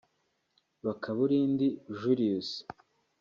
Bakabulindi Julius